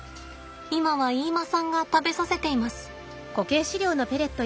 今は飯間さんが食べさせています。